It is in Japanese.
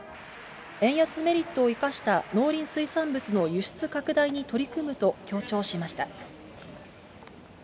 円安メリットを生かした農林水産物の輸出拡大に取り組むと強調しました。